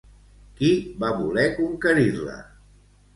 Qui va voler conquerir-la?